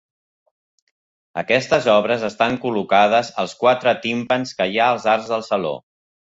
Aquestes obres estan col·locades als quatre timpans que hi ha als arcs del saló.